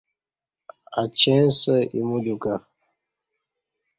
اچں اسہ ایمودیوکں